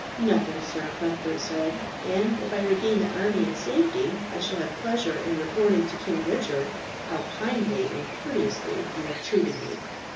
"Nothing, sir," Cuthbert said; "and if I regain the army in safety, I shall have pleasure in reporting to King Richard how kindly and courteously you have treated me."